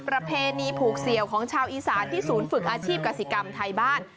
ประเพณีผูกเสี่ยวของชาวอีสานที่ศูนย์ฝึกอาชีพกษิกรรมไทยบ้าน